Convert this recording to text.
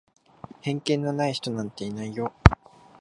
偏見のない人なんていないよ。